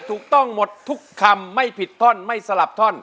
ถูกต้องหมดทุกคำไม่ผิดท่อนไม่สลับท่อน